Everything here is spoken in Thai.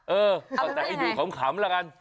เออเอาเป็นแม่งใหม่แต่อยู่ขำถำละกัน